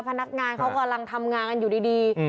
พนักงานเขากำลังทำงานกันอยู่ดี